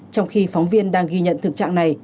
trong khi phóng viên đang ghi nhận thực trạng này